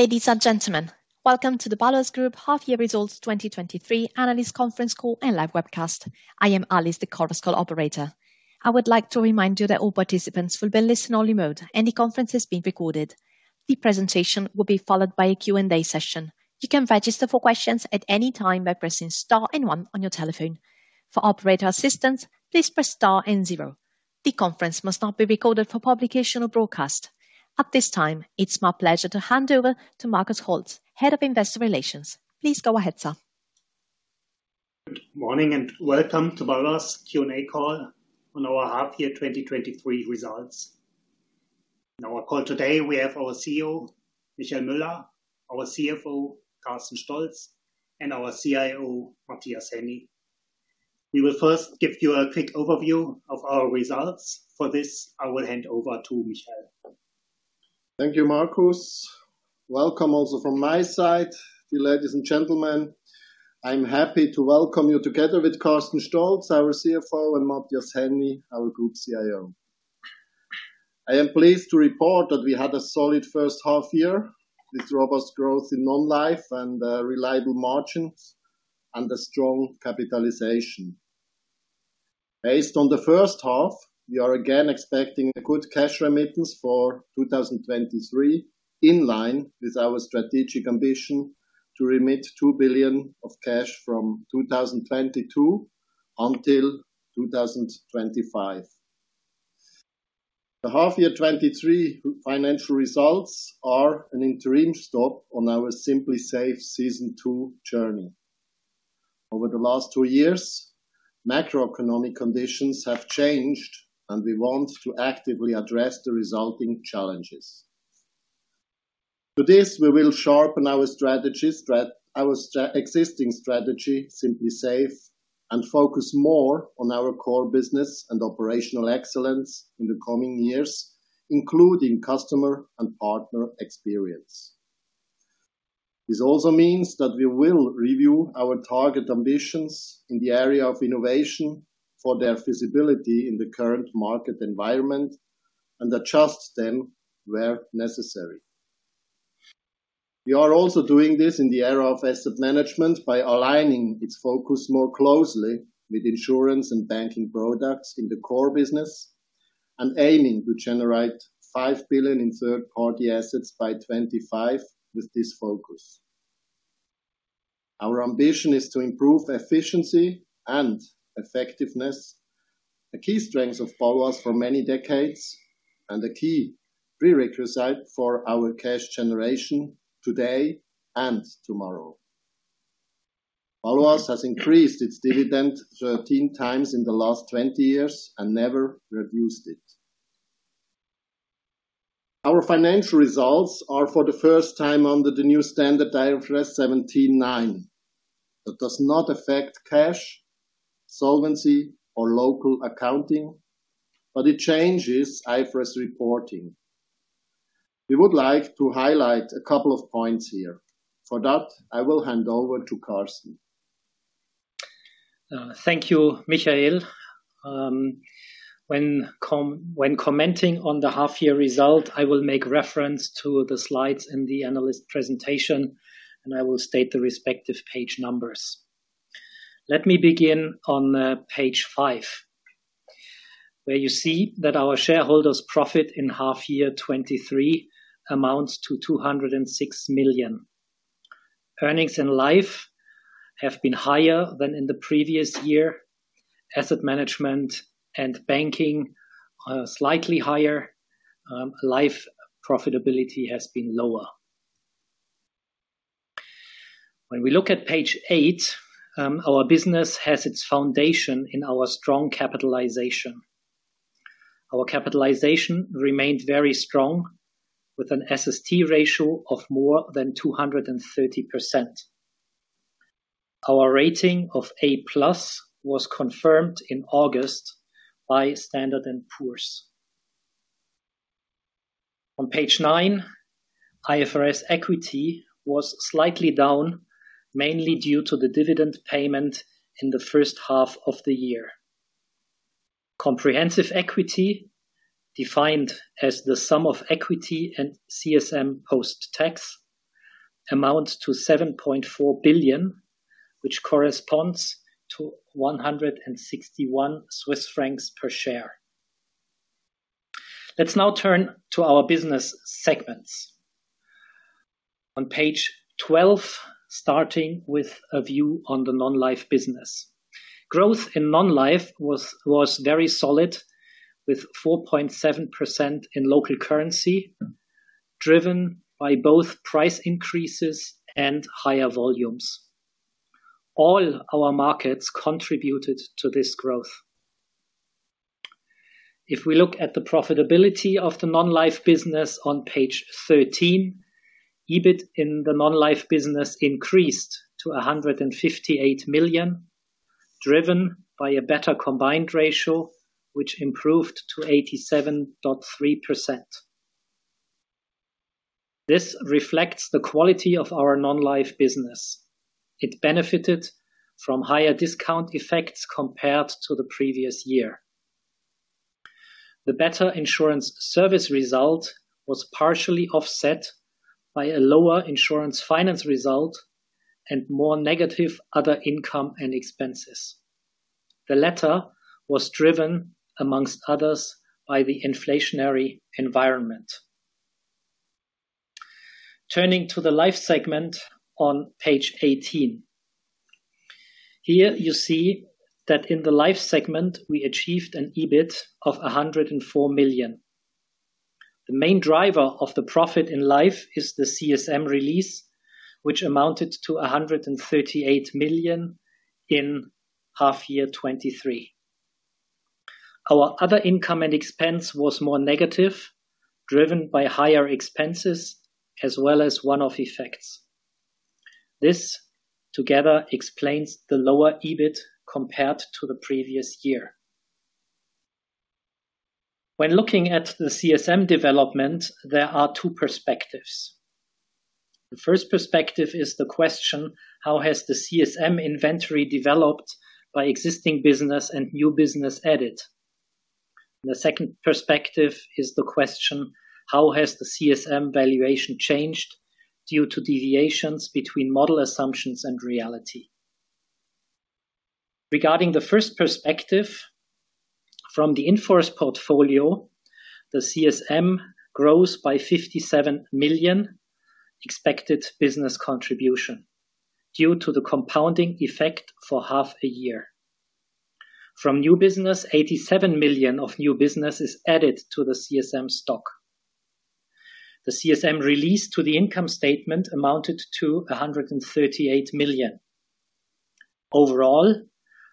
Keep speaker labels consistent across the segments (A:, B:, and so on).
A: Ladies and gentlemen, welcome to the Baloise Group Half Year Results 2023 Analyst Conference Call and live webcast. I am Alice, the conference call operator. I would like to remind you that all participants will be in listen-only mode, and the conference is being recorded. The presentation will be followed by a Q&A session. You can register for questions at any time by pressing star and one on your telephone. For operator assistance, please press star and zero. The conference must not be recorded for publication or broadcast. At this time, it's my pleasure to hand over to Markus Holtz, Head of Investor Relations. Please go ahead, sir.
B: Good morning, and welcome to Baloise Q&A call on our half-year 2023 results. In our call today, we have our CEO, Michael Müller, our CFO, Carsten Stolz, and our CIO, Matthias Henny. We will first give you a quick overview of our results. For this, I will hand over to Michael.
C: Thank you, Markus. Welcome also from my side, dear ladies and gentlemen. I'm happy to welcome you together with Carsten Stolz, our CFO, and Matthias Henny, our Group CIO. I am pleased to report that we had a solid first half year, with robust growth in non-life and reliable margins and a strong capitalization. Based on the first half, we are again expecting a good cash remittance for 2023, in line with our strategic ambition to remit 2 billion of cash from 2022 until 2025. The half year 2023 financial results are an interim stop on our Simply Safe: Season 2 journey. Over the last two years, macroeconomic conditions have changed, and we want to actively address the resulting challenges. To this, we will sharpen our existing strategy, Simply Safe, and focus more on our core business and operational excellence in the coming years, including customer and partner experience. This also means that we will review our target ambitions in the area of innovation for their feasibility in the current market environment and adjust them where necessary. We are also doing this in the area of asset management by aligning its focus more closely with insurance and banking products in the core business, and aiming to generate 5 billion in third-party assets by 2025, with this focus. Our ambition is to improve efficiency and effectiveness, a key strength of Baloise for many decades, and a key prerequisite for our cash generation today and tomorrow. Baloise has increased its dividend 13 times in the last 20 years and never reduced it. Our financial results are for the first time under the new standard, IFRS 17 and 9. That does not affect cash, solvency, or local accounting, but it changes IFRS reporting. We would like to highlight a couple of points here. For that, I will hand over to Carsten.
D: Thank you, Michael. When commenting on the half year result, I will make reference to the slides in the analyst presentation, and I will state the respective page numbers. Let me begin on page five, where you see that our shareholders' profit in half year 2023 amounts to 206 million. Earnings in Life have been higher than in the previous year. Asset Management and Banking are slightly higher. Life profitability has been lower. When we look at page eight, our business has its foundation in our strong capitalization. Our capitalization remained very strong, with an SST ratio of more than 230%. Our rating of A+ was confirmed in August by Standard & Poor's. On page nine, IFRS equity was slightly down, mainly due to the dividend payment in the first half of the year. Comprehensive Equity, defined as the sum of equity and CSM post-tax, amounts to 7.4 billion, which corresponds to 161 Swiss francs per share. Let's now turn to our business segments. On page 12, starting with a view on the non-life business. Growth in non-life was very solid, with 4.7% in local currency, driven by both price increases and higher volumes. All our markets contributed to this growth. If we look at the profitability of the non-life business on page 13, EBIT in the non-life business increased to 158 million, driven by a better combined ratio, which improved to 87.3%. This reflects the quality of our non-life business. It benefited from higher discounting effects compared to the previous year.... The better insurance service result was partially offset by a lower insurance finance result and more negative other income and expenses. The latter was driven, among others, by the inflationary environment. Turning to the life segment on page 18. Here you see that in the life segment, we achieved an EBIT of 104 million. The main driver of the profit in life is the CSM release, which amounted to 138 million in half year 2023. Our other income and expense was more negative, driven by higher expenses as well as one-off effects. This together explains the lower EBIT compared to the previous year. When looking at the CSM development, there are two perspectives. The first perspective is the question: How has the CSM inventory developed by existing business and new business added? The second perspective is the question: How has the CSM valuation changed due to deviations between model assumptions and reality? Regarding the first perspective, from the in-force portfolio, the CSM grows by 57 million expected business contribution due to the compounding effect for half a year. From new business, 87 million of new business is added to the CSM stock. The CSM released to the income statement amounted to 138 million. Overall,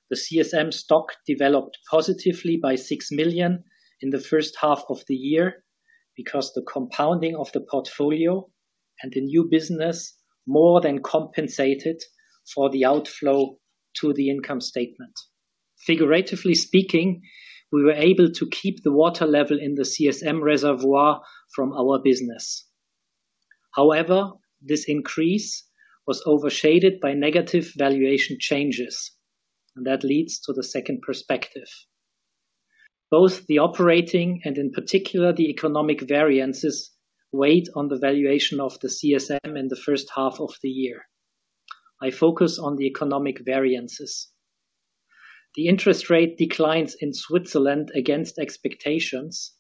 D: the CSM stock developed positively by 6 million in the first half of the year because the compounding of the portfolio and the new business more than compensated for the outflow to the income statement. Figuratively speaking, we were able to keep the water level in the CSM reservoir from our business. However, this increase was overshadowed by negative valuation changes, and that leads to the second perspective. Both the operating and, in particular, the economic variances weighed on the valuation of the CSM in the first half of the year. I focus on the economic variances. The interest rate declines in Switzerland against expectations,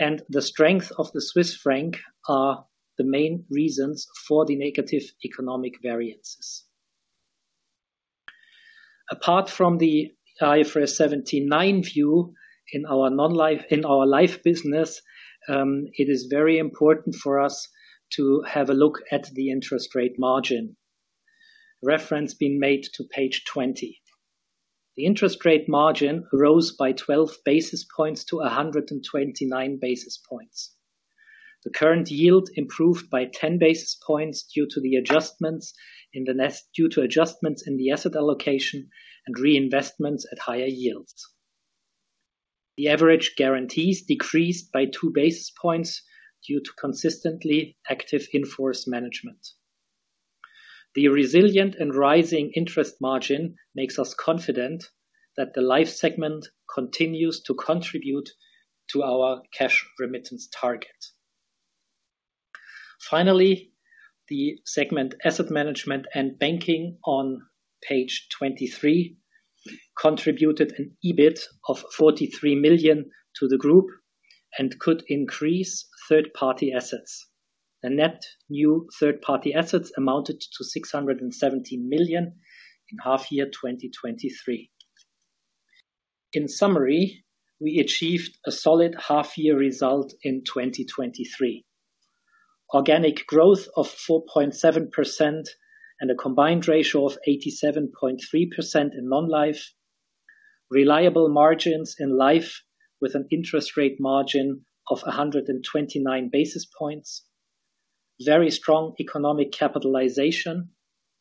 D: and the strength of the Swiss franc are the main reasons for the negative economic variances. Apart from the IFRS 17 new view in our life business, it is very important for us to have a look at the interest rate margin. Reference being made to page 20. The interest rate margin rose by 12 basis points to 129 basis points. The current yield improved by 10 basis points due to adjustments in the asset allocation and reinvestments at higher yields. The average guarantees decreased by 2 basis points due to consistently active in-force management. The resilient and rising interest margin makes us confident that the life segment continues to contribute to our cash remittance target. Finally, the segment asset management and banking on page 23, contributed an EBIT of 43 million to the group and could increase third-party assets. The net new third-party assets amounted to 617 million in half year, 2023. In summary, we achieved a solid half year result in 2023. Organic growth of 4.7% and a combined ratio of 87.3% in non-life. Reliable margins in life, with an interest rate margin of 129 basis points. Very strong economic capitalization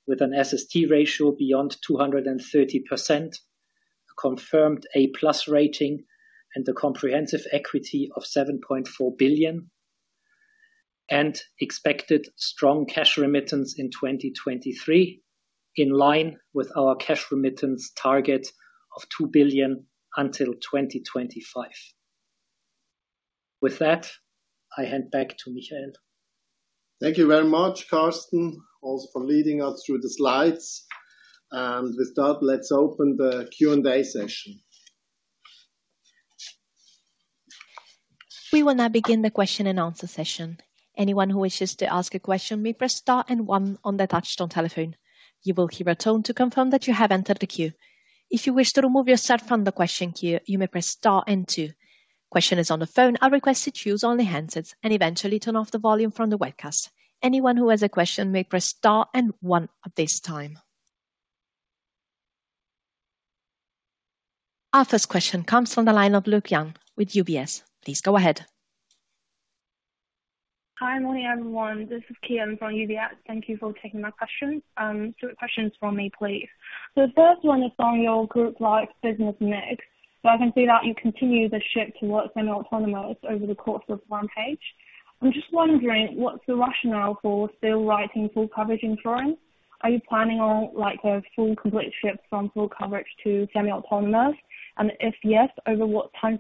D: with an SST ratio beyond 230%, a confirmed A+ rating, and a comprehensive equity of 7.4 billion, and expected strong cash remittance in 2023, in line with our cash remittance target of 2 billion until 2025. With that, I hand back to Michael.
C: Thank you very much, Carsten, also for leading us through the slides. With that, let's open the Q&A session.
A: We will now begin the question and answer session. Anyone who wishes to ask a question may press star and one on the touchtone telephone. You will hear a tone to confirm that you have entered the queue. If you wish to remove yourself from the question queue, you may press star and two. Questioners on the phone, I request that you use only handsets and eventually turn off the volume from the webcast. Anyone who has a question may press star and one at this time. Our first question comes from the line of Luke Young with UBS. Please go ahead.
E: Hi, morning, everyone. This is Kian from UBS. Thank you for taking my question. Two questions for me, please. The first one is on your group life business mix. I can see that you continue the shift towards semi-autonomous over the course of one page. I'm just wondering, what's the rationale for still writing full coverage in foreign? Are you planning on, like, a full complete shift from full coverage to semi-autonomous? If yes, over what time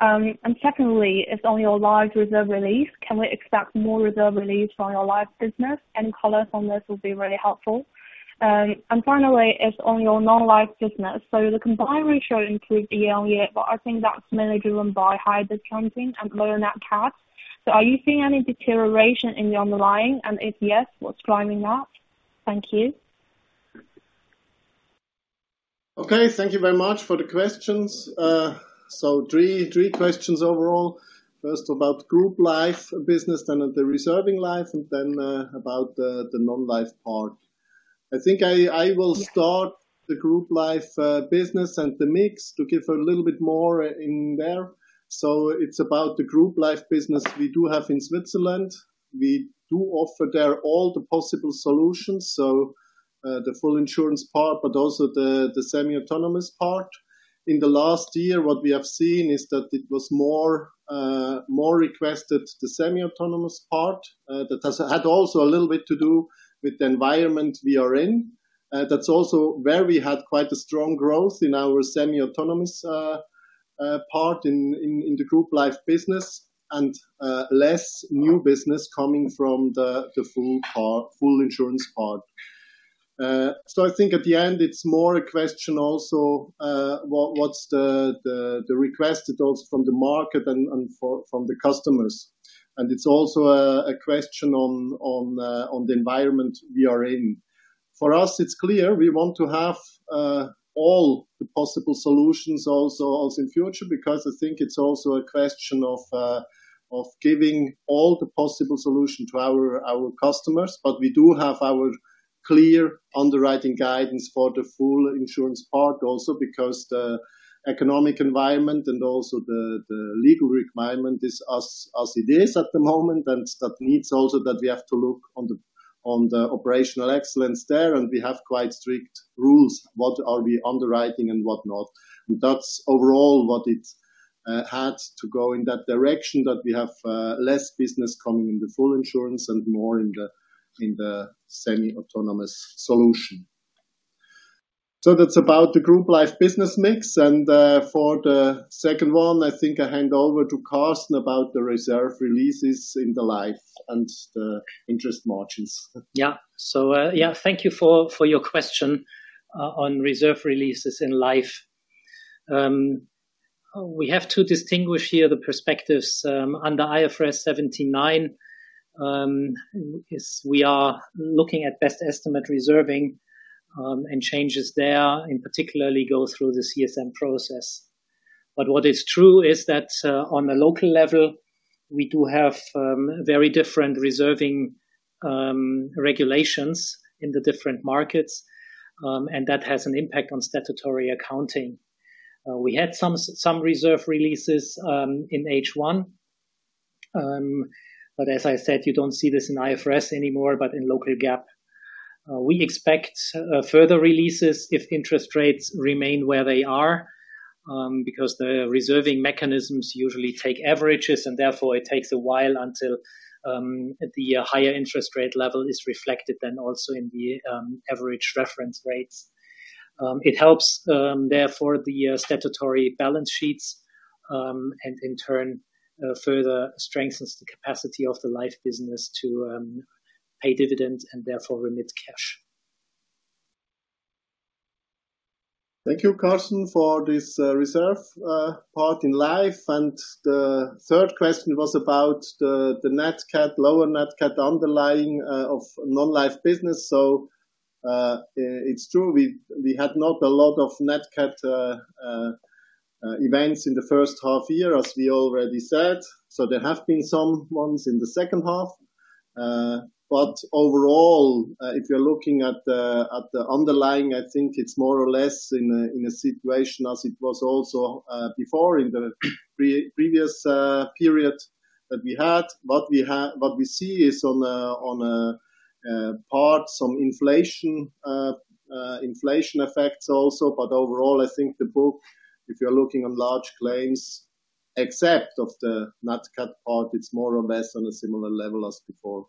E: frame? Secondly, on your life reserve release, can we expect more reserve release on your life business? Any colors on this will be really helpful. Finally, it's on your non-life business. The combined ratio improved year on year, but I think that's mainly driven by high discounting and lower net cat. Are you seeing any deterioration in your underlying? If yes, what's driving that? Thank you.
C: Okay, thank you very much for the questions. So three, three questions overall. First, about group life business, then at the reserving life, and then, about the non-life part. I think I will start the group life business and the mix to give a little bit more in there. So it's about the group life business we do have in Switzerland. We do offer there all the possible solutions, so the full insurance part, but also the semi-autonomous part. In the last year, what we have seen is that it was more, more requested, the semi-autonomous part. That has had also a little bit to do with the environment we are in. That's also where we had quite a strong growth in our semi-autonomous part in the group life business, and less new business coming from the full part, Full Insurance part. So I think at the end it's more a question also, what's the requests from the market and from the customers. And it's also a question on the environment we are in. For us, it's clear, we want to have all the possible solutions also in future, because I think it's also a question of giving all the possible solution to our customers. But we do have our clear underwriting guidance for the Full Insurance part, also because the economic environment and also the, the legal requirement is as, as it is at the moment, and that needs also that we have to look on the, on the operational excellence there, and we have quite strict rules, what are we underwriting and what not. And that's overall what it had to go in that direction, that we have, less business coming in the Full Insurance and more in the, in the semi-autonomous solution. So that's about the group life business mix, and, for the second one, I think I hand over to Carsten about the reserve releases in the life and the interest margins.
D: Yeah. So, yeah, thank you for your question on reserve releases in life. We have to distinguish here the perspectives under IFRS 17. We are looking at best estimate reserving and changes there, and particularly go through the CSM process. But what is true is that on a local level, we do have very different reserving regulations in the different markets, and that has an impact on statutory accounting. We had some reserve releases in H1, but as I said, you don't see this in IFRS anymore, but in local GAAP. We expect further releases if interest rates remain where they are, because the reserving mechanisms usually take averages, and therefore it takes a while until the higher interest rate level is reflected, then also in the average reference rates. It helps, therefore, the statutory balance sheets, and in turn, further strengthens the capacity of the life business to pay dividends and therefore remit cash.
C: Thank you, Carsten, for this reserve part in life. The third question was about the net cat, lower net cat underlying of non-life business. So, it's true, we had not a lot of net cat events in the first half year, as we already said, so there have been some ones in the second half. But overall, if you're looking at the underlying, I think it's more or less in a situation as it was also before in the previous period that we had. What we see is on a par, on inflation, inflation effects also, but overall, I think the book, if you're looking on large claims, except of the net cat part, it's more or less on a similar level as before.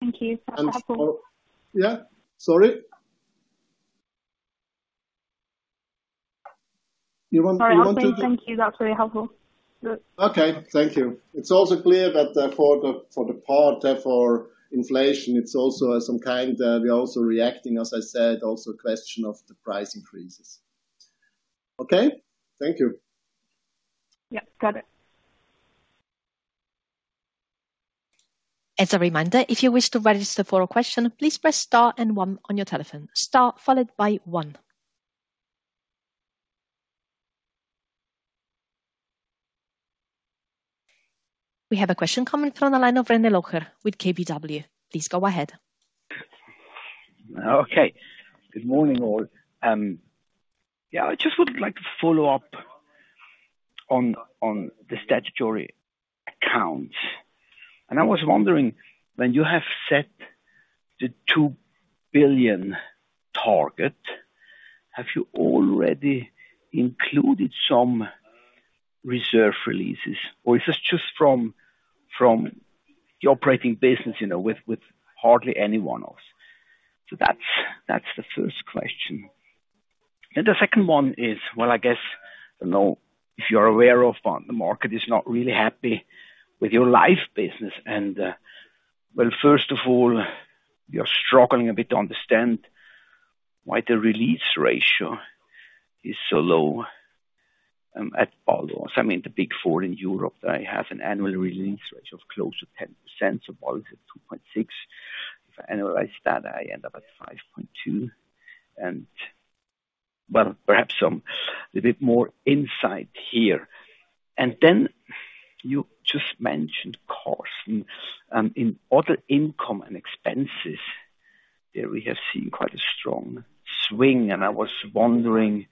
E: Thank you.
C: And so-
E: Yeah.
C: Sorry? You want to-
E: Sorry. I think, thank you. That's very helpful.
C: Okay, thank you. It's also clear that, for the, for the part, therefore, inflation, it's also some kind, we're also reacting, as I said, also question of the price increases. Okay? Thank you.
E: Yeah, got it.
A: As a reminder, if you wish to register for a question, please press star and one on your telephone. Star followed by one. We have a question coming from the line of René Locher with KBW. Please go ahead.
F: Okay. Good morning, all. Yeah, I just would like to follow up on the statutory accounts. I was wondering, when you have set the 2 billion target, have you already included some reserve releases, or is this just from the operating business, you know, with hardly any one-offs? So that's the first question. And the second one is, well, I guess, I don't know if you're aware of, but the market is not really happy with your life business. And, well, first of all, you're struggling a bit to understand why the release ratio is so low at all. I mean, the big four in Europe, I have an annual release ratio of close to 10%, so all is at 2.6. If I annualize that, I end up at 5.2. And, well, perhaps some a little bit more insight here. You just mentioned cost, and in other income and expenses, there we have seen quite a strong swing. I was wondering,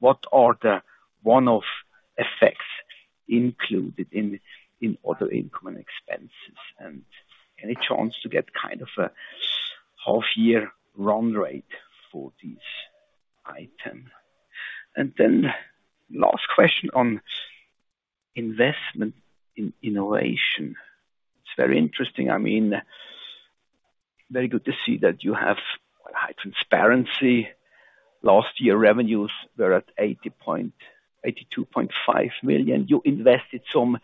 F: what are the one-off effects included in other income and expenses? Any chance to get kind of a half-year run rate for this item? Last question on investment in innovation. It's very interesting. I mean, very good to see that you have high transparency. Last year, revenues were at 82.5 million. You invested some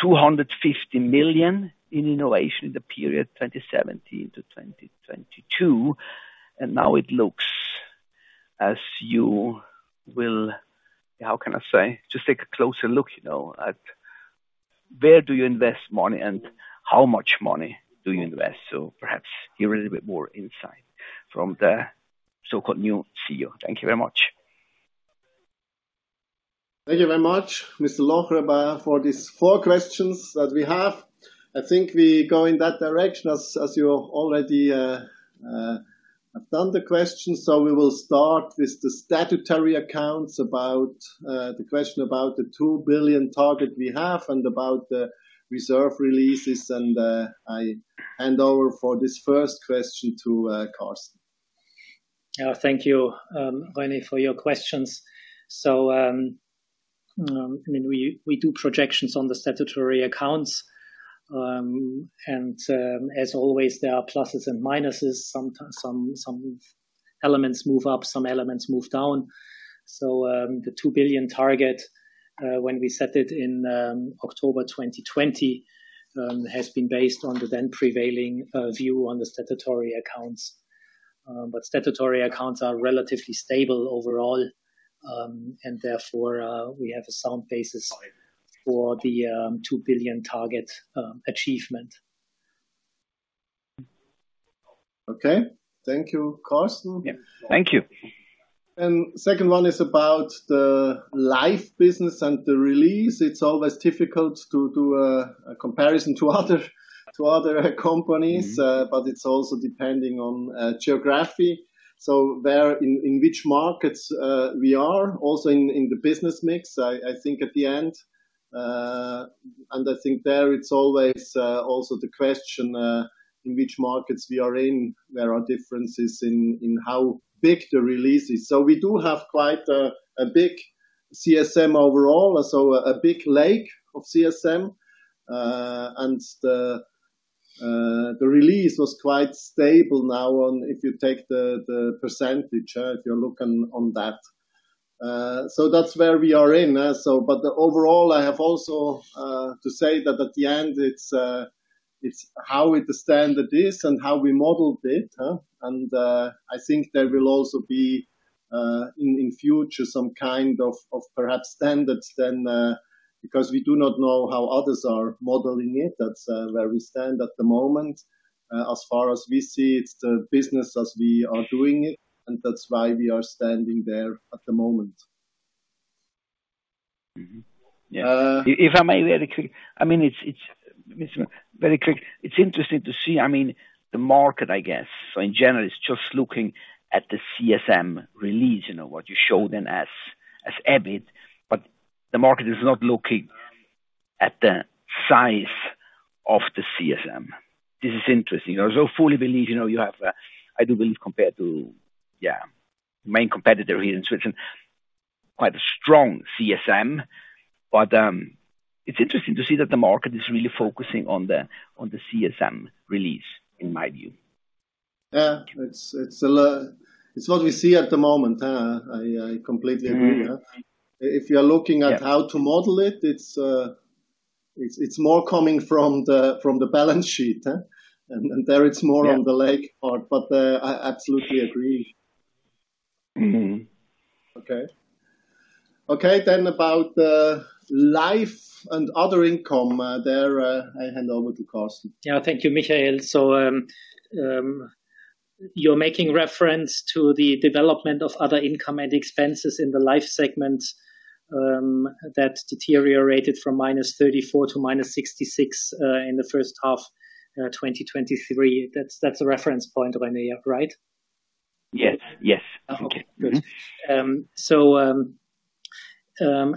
F: 250 million in innovation in the period 2017 to 2022, and now it looks as you will... How can I say? Just take a closer look, you know, at where do you invest money and how much money do you invest. So perhaps give a little bit more insight from the so-called new CEO. Thank you very much.
C: Thank you very much, Mr. Locher, for these four questions that we have. I think we go in that direction, as you already asked all the questions. So we will start with the statutory accounts about the question about the 2 billion target we have and about the reserve releases, and I hand over for this first question to Carsten.
D: Yeah, thank you, René, for your questions. So, I mean, we, we do projections on the statutory accounts. And, as always, there are pluses and minuses. Sometimes some, some elements move up, some elements move down. So, the 2 billion target, when we set it in October 2020, has been based on the then prevailing view on the statutory accounts. But statutory accounts are relatively stable overall, and therefore, we have a sound basis for the 2 billion target achievement.
C: Okay. Thank you, Carsten.
D: Yeah.
F: Thank you.
C: Second one is about the life business and the release. It's always difficult to do a comparison to other companies.
D: Mm-hmm.
C: But it's also depending on geography. So where in which markets we are also in the business mix, I think at the end. And I think there it's always also the question in which markets we are in. There are differences in how big the release is. So we do have quite a big CSM overall, so a big lake of CSM. And the release was quite stable now on if you take the percentage if you're looking on that. So that's where we are in. So but overall, I have also to say that at the end, it's how we understand it is and how we modeled it, huh? I think there will also be, in future, some kind of perhaps standards then, because we do not know how others are modeling it. That's where we stand at the moment. As far as we see, it's the business as we are doing it, and that's why we are standing there at the moment.
D: Mm-hmm.
F: Yes.
C: Uh.
F: If I may, very quick. I mean, it's just very quick. It's interesting to see, I mean, the market, I guess, so in general, it's just looking at the CSM release, you know, what you show then as EBIT, but the market is not looking at the size of the CSM. This is interesting. I so fully believe, you know, you have, I do believe, compared to, yeah, main competitor here in Switzerland, quite a strong CSM. But, it's interesting to see that the market is really focusing on the CSM release, in my view.
C: Yeah, it's a lot. It's what we see at the moment. I completely agree.
F: Mm-hmm.
C: If you're looking at-
F: Yeah...
C: how to model it, it's more coming from the balance sheet, and there it's more-
F: Yeah...
C: on the life part, but I absolutely agree.
F: Mm-hmm.
C: Okay? Okay, then about the life and other income, there, I hand over to Carsten.
D: Yeah, thank you, Michael. So, you're making reference to the development of other income and expenses in the life segment, that deteriorated from -34 to -66, in the first half, 2023. That's a reference point, René, right?
F: Yes, yes.
D: Okay, good.
F: Mm-hmm.
D: So,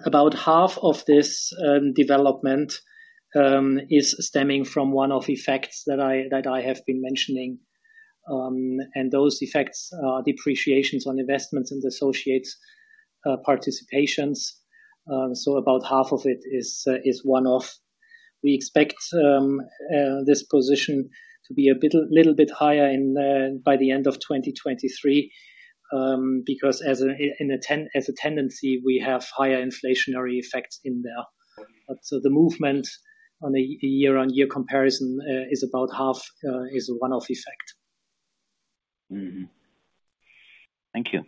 D: about half of this development is stemming from one of effects that I, that I have been mentioning. And those effects are depreciations on investments and associates, participations. So about half of it is, is one-off. We expect this position to be a little bit higher in by the end of 2023, because as a tendency, we have higher inflationary effects in there. So the movement on a year-on-year comparison is about half is a one-off effect.
F: Mm-hmm. Thank you.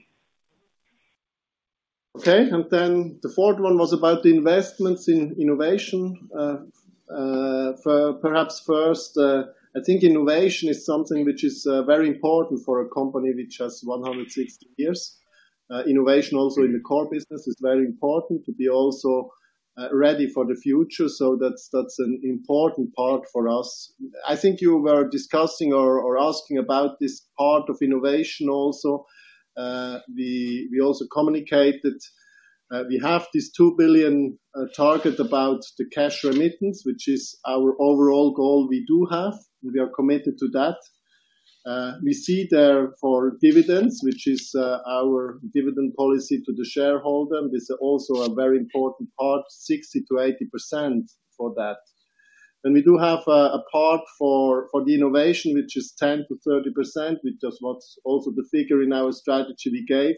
C: Okay, and then the fourth one was about the investments in innovation. For perhaps first, I think innovation is something which is very important for a company which has 160 years. Innovation also in the core business is very important to be also ready for the future. So that's an important part for us. I think you were discussing or asking about this part of innovation also. We also communicated, we have this 2 billion target about the cash remittance, which is our overall goal we do have, and we are committed to that. We see there for dividends, which is our dividend policy to the shareholder. This is also a very important part, 60%-80% for that. And we do have a part for the innovation, which is 10%-30%, which is what's also the figure in our strategy we gave.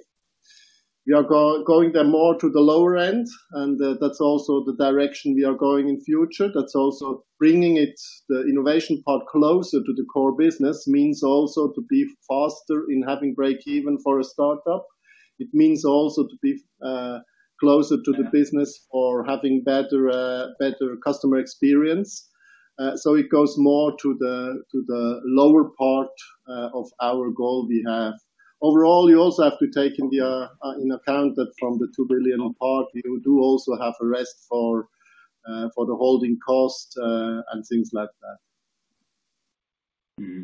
C: We are going there more to the lower end, and that's also the direction we are going in future. That's also bringing it, the innovation part, closer to the core business, means also to be faster in having breakeven for a startup. It means also to be closer to the business or having better customer experience. So it goes more to the lower part of our goal we have. Overall, you also have to take into account that from the 2 billion own part, we do also have a rest for the holding cost and things like that.
F: Mm-hmm.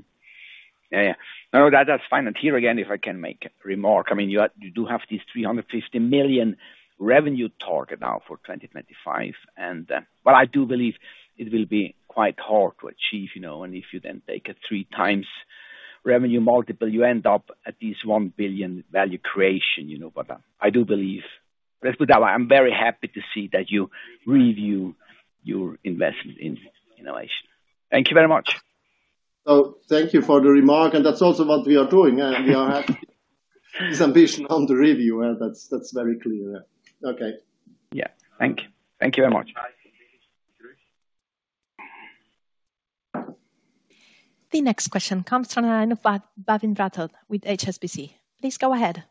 F: Yeah, yeah. No, that's fine. And here again, if I can make a remark, I mean, you have this 350 million revenue target now for 2025, and... But I do believe it will be quite hard to achieve, you know, and if you then take a 3x revenue multiple, you end up at this 1 billion value creation, you know. But, I do believe... Let's put it that way, I'm very happy to see that you review your investment in innovation. Thank you very much.
C: Thank you for the remark, and that's also what we are doing, and we are having this ambition on the review, and that's, that's very clear. Okay.
F: Yeah. Thank you. Thank you very much.
A: The next question comes from Bhavin Rathod with HSBC. Please go ahead.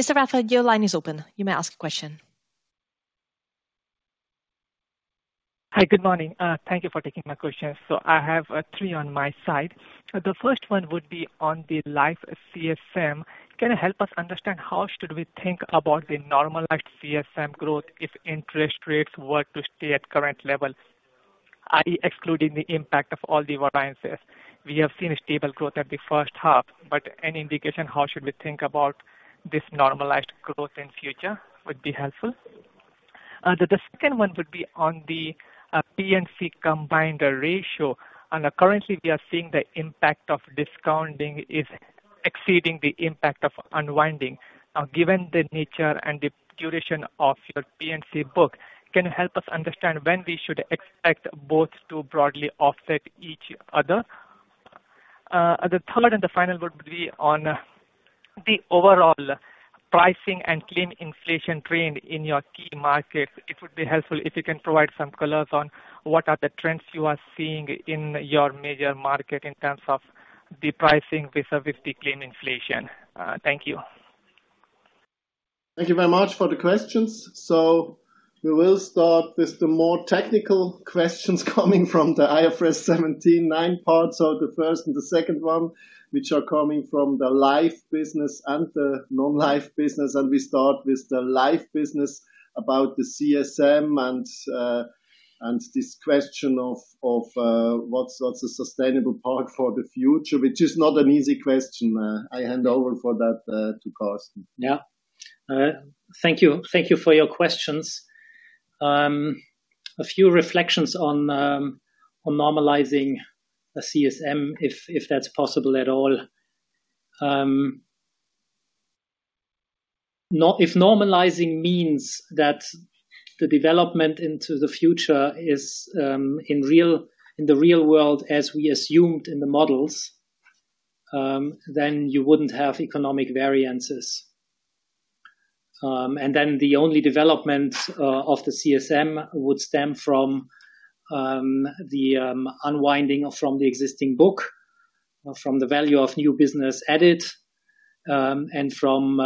A: Mr. Rathod, your line is open. You may ask a question.
G: Hi, good morning. Thank you for taking my questions. So I have three on my side. The first one would be on the life CSM. Can you help us understand how should we think about the normalized CSM growth if interest rates were to stay at current levels, i.e., excluding the impact of all the variances? We have seen a stable growth at the first half, but any indication how should we think about this normalized growth in future would be helpful. The second one would be on the P&C combined ratio. Currently, we are seeing the impact of discounting is exceeding the impact of unwinding. Given the nature and the duration of your P&C book, can you help us understand when we should expect both to broadly offset each other? The third and the final would be on the overall pricing and claim inflation trend in your key markets. It would be helpful if you can provide some colors on what are the trends you are seeing in your major market in terms of the pricing vis-à-vis the claim inflation. Thank you.
C: Thank you very much for the questions. So we will start with the more technical questions coming from the IFRS 17, nine parts. So the first and the second one, which are coming from the life business and the non-life business, and we start with the life business about the CSM and this question of what's a sustainable path for the future? Which is not an easy question, I hand over for that to Carsten.
D: Yeah. Thank you. Thank you for your questions. A few reflections on normalizing a CSM, if that's possible at all. If normalizing means that the development into the future is in the real world, as we assumed in the models, then you wouldn't have economic variances. And then the only development of the CSM would stem from the unwinding or from the existing book, from the value of new business added, and from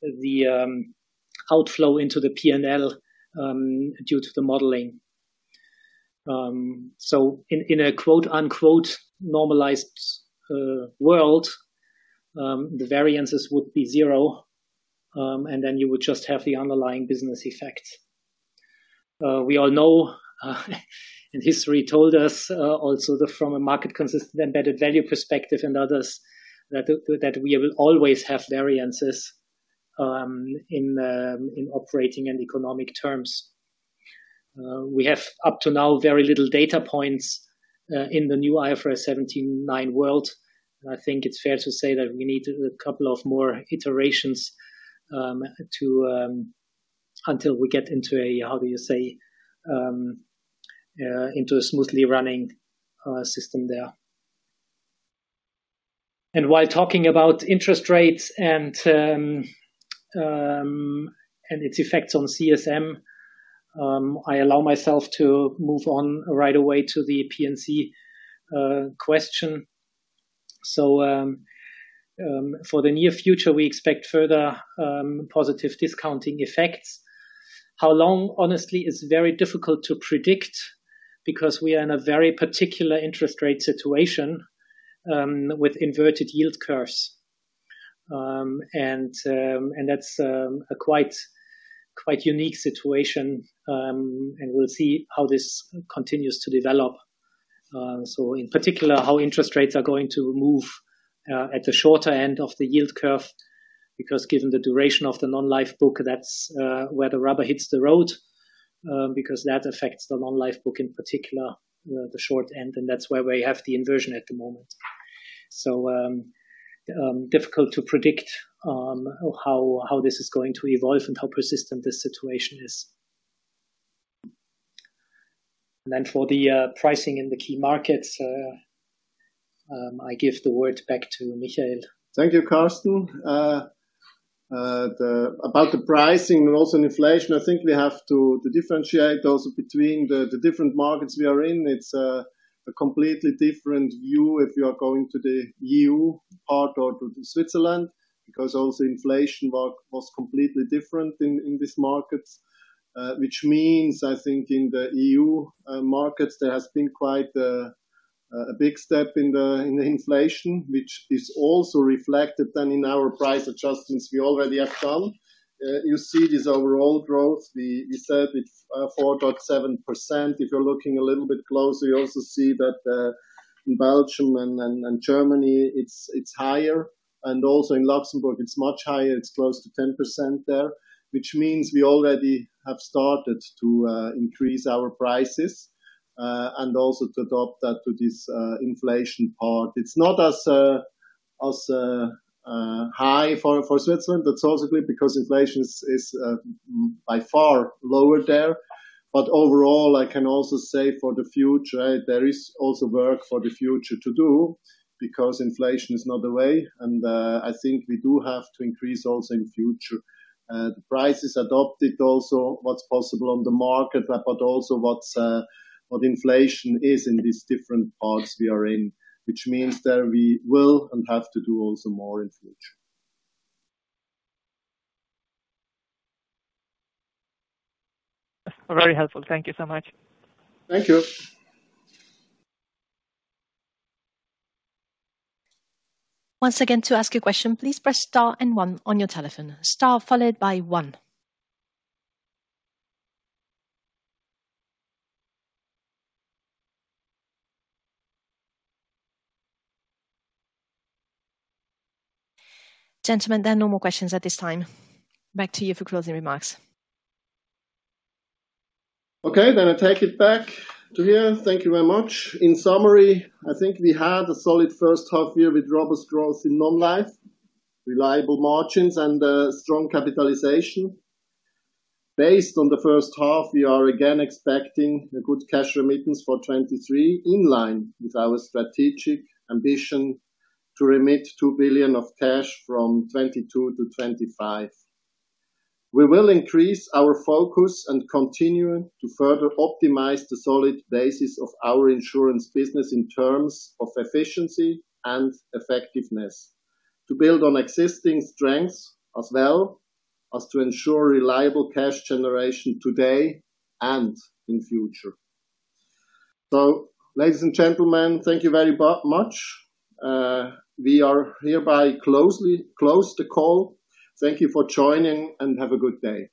D: the outflow into the P&L due to the modeling. So in a quote, unquote, "normalized world," the variances would be zero, and then you would just have the underlying business effect. We all know, and history told us also that from a market consistent embedded value perspective and others, that we will always have variances in operating and economic terms. We have up to now very little data points in the new IFRS 17/9 world. I think it's fair to say that we need a couple of more iterations until we get into a, how do you say, into a smoothly running system there. While talking about interest rates and its effects on CSM, I allow myself to move on right away to the P&C question. For the near future, we expect further positive discounting effects. How long? Honestly, it's very difficult to predict because we are in a very particular interest rate situation with inverted yield curves. And that's a quite unique situation, and we'll see how this continues to develop. So in particular, how interest rates are going to move at the shorter end of the yield curve, because given the duration of the non-life book, that's where the rubber hits the road, because that affects the non-life book, in particular, the short end, and that's where we have the inversion at the moment. So difficult to predict how this is going to evolve and how persistent this situation is. And then for the pricing in the key markets, I give the word back to Michael.
C: Thank you, Carsten. About the pricing and also inflation, I think we have to differentiate also between the different markets we are in. It's a completely different view if you are going to the EU part or to Switzerland, because also inflation was completely different in these markets. Which means, I think in the EU markets, there has been quite a big step in the inflation, which is also reflected then in our price adjustments we already have done. You see this overall growth, we said it 4.7%. If you're looking a little bit closer, you also see that in Belgium and Germany, it's higher. And also in Luxembourg, it's much higher, it's close to 10% there, which means we already have started to increase our prices and also to adopt that to this inflation part. It's not as high for Switzerland, but also because inflation is by far lower there. But overall, I can also say for the future, there is also work for the future to do, because inflation is not the way. And I think we do have to increase also in future the prices adopted, also what's possible on the market, but also what inflation is in these different parts we are in, which means that we will and have to do also more in the future.
G: Very helpful. Thank you so much.
C: Thank you.
A: Once again, to ask a question, please press star and one on your telephone. Star followed by one. Gentlemen, there are no more questions at this time. Back to you for closing remarks.
C: Okay, then I take it back to here. Thank you very much. In summary, I think we had a solid first half year with robust growth in non-life, reliable margins and strong capitalization. Based on the first half, we are again expecting a good cash remittance for 2023, in line with our strategic ambition to remit 2 billion of cash from 2022 to 2025. We will increase our focus and continue to further optimize the solid basis of our insurance business in terms of efficiency and effectiveness, to build on existing strengths, as well as to ensure reliable cash generation today and in future. So, ladies and gentlemen, thank you very much. We are hereby now closing the call. Thank you for joining, and have a good day.